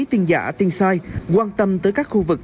tin giả tin sai quan tâm tới các khu vực